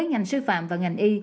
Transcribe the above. hành sư phạm và ngành y